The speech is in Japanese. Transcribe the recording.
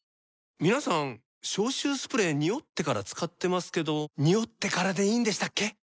皆さん消臭スプレーニオってから使ってますけどニオってからでいいんでしたっけ？